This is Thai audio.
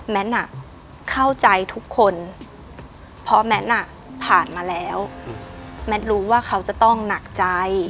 เข้าใจทุกคนเพราะแมทผ่านมาแล้วแมทรู้ว่าเขาจะต้องหนักใจ